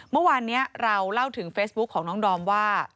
เมื่อวานนี้เราเล่าถึงเฟซบุ๊คของน้องดอมว่า